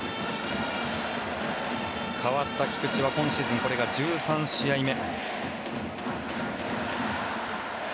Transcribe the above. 代わった菊地は今シーズンこれが１３試合目。